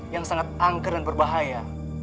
yang sangat angker dan berbahaya